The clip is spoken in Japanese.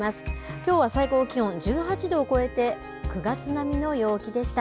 きょうは最高気温１８度を超えて、９月並みの陽気でした。